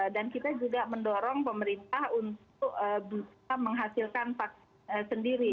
dan kita juga mendorong pemerintah untuk bisa menghasilkan vaksin sendiri